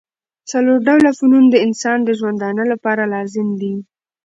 څلور ډوله فنون د انسان د ژوند له پاره لازم دي.